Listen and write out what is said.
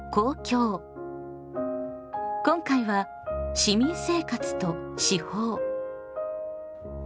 今回は「市民生活と私法」。